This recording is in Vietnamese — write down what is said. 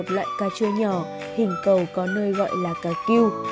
cà chua là một loại cà chua nhỏ hình cầu có nơi gọi là cà cưu